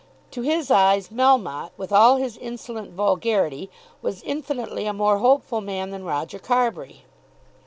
To his eyes Melmotte, with all his insolent vulgarity, was infinitely a more hopeful man than Roger Carbury.